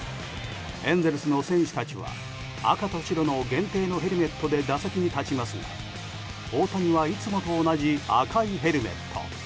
エンゼルスの選手たちは赤と白の限定のヘルメットで打席に立ちますが、大谷はいつもと同じ赤いヘルメット。